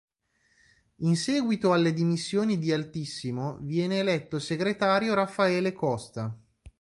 In seguito alle dimissioni di Altissimo, viene eletto segretario Raffaele Costa.